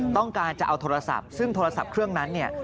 ต้องการจะเอาโทรศัพท์ซึ่งโทรศัพท์เครื่องนั้นเนี่ย